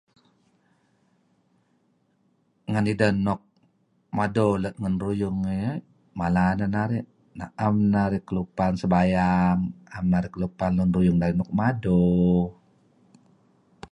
Ngen ideh nuk mado let ruyung ideh mala neh narih na'em narih kelupan sebayang, 'em narih kelupan lun ruyung narih nuk mado.